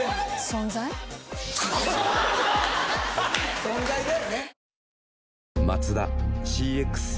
存在だよね。